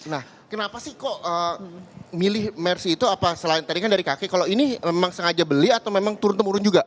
nah kenapa sih kok milih mercy itu apa selain tadi kan dari kakek kalau ini memang sengaja beli atau memang turun temurun juga